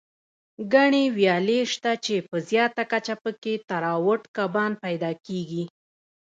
ګڼې ویالې شته، چې په زیاته کچه پکې تراوټ کبان پیدا کېږي.